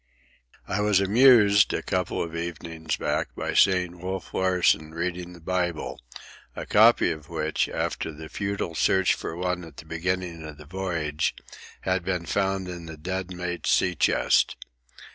I was amused, a couple of evenings back, by seeing Wolf Larsen reading the Bible, a copy of which, after the futile search for one at the beginning of the voyage, had been found in the dead mate's sea chest.